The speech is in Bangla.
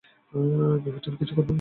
বিপজ্জনক কিছু করবে না, প্লিজ!